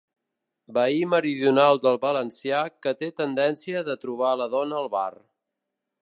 Veí meridional del valencià que té tendència de trobar la dona al bar.